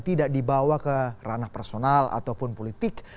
tidak dibawa ke ranah personal ataupun politik